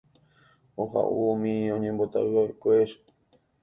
oha'uvõ umi oñembotavyva'ekuépe